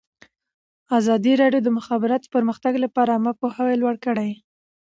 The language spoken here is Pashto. ازادي راډیو د د مخابراتو پرمختګ لپاره عامه پوهاوي لوړ کړی.